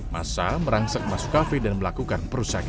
masa merangsak masuk kafe dan melakukan